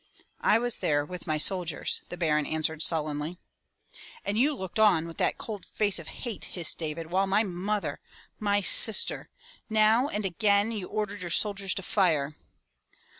"I was there with my soldiers," the Baron answered sullenly. "And you looked on with that cold face of hate!" hissed David, "while my mother — my sister —. Now and again you ordered your soldiers to fire!"